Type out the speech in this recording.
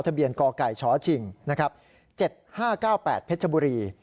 ทะเบียนกไก่ชชิง๗๕๙๘เพชรบุรี